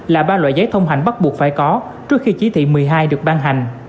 là ba loại giấy thông hành bắt buộc phải có trước khi chỉ thị một mươi hai được ban hành